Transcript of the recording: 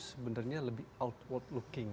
sebenarnya lebih outward looking